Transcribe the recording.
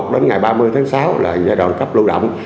đến ngày ba mươi tháng sáu là giai đoạn cấp lưu động